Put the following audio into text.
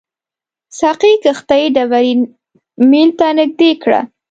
ساقي کښتۍ ډبرین میل ته نږدې کړه.